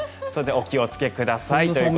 お気をつけください。